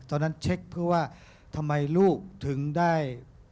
เช็คเพื่อว่าทำไมลูกถึงได้